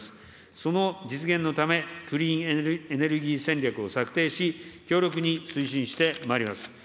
その実現のため、クリーンエネルギー戦略を策定し、強力に推進してまいります。